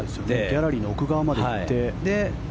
ギャラリーの奥側まで行って。